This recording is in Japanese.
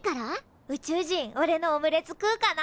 宇宙人おれのオムレツ食うかな？